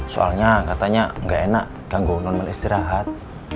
soalnya katanya gak enak ganggu non mel istirahat